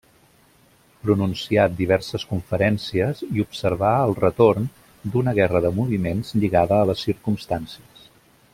Pronuncià diverses conferències i observà el retorn d'una guerra de moviments lligada a les circumstàncies.